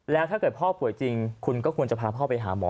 แล้วถ้าเกิดพ่อป่วยจริงคุณก็ควรจะพาพ่อไปหาหมอ